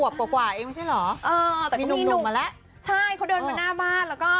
โดดไปมาน้าบ้าน